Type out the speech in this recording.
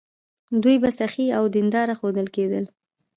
دوی به سخي او دینداره ښودل کېدل.